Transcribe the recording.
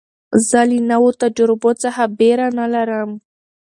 زه له نوو تجربو څخه بېره نه لرم.